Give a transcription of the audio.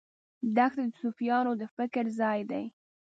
دښته د صوفیانو د فکر ځای دی.